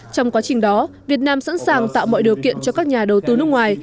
trong quá trình đó việt nam sẵn sàng tạo mọi điều kiện cho các nhà đầu tư nước ngoài